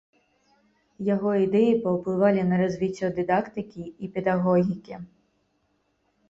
Яго ідэі паўплывалі на развіццё дыдактыкі і педагогікі.